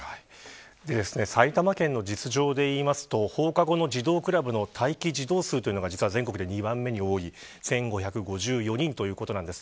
埼玉県の実情でいうと放課後の児童クラブの待機児童数というのが全国で２番目に多い１５５４人です。